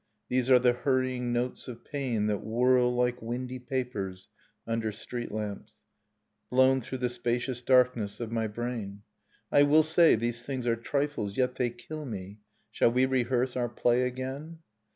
These are the hurrying notes of pain That whirl like windy papers under streetlamps, Nocturne of Remembered Spring Blown through the spacious darkness of my brain. I will say: these thing are trifles, yet they kill me. Shall we rehearse our play again?